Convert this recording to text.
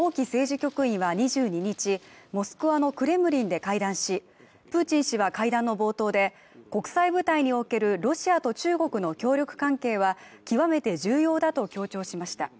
局員は２２日、モスクワのクレムリンで会談しプーチン氏は会談の冒頭で国際舞台におけるロシアと中国の協力関係は極めて重要だと強調しました。